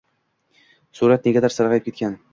Surat negadir sarg‘ayib ketgan.